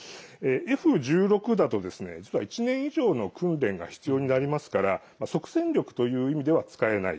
Ｆ１６だと、実は１年以上の訓練が必要になりますから即戦力という意味では使えない。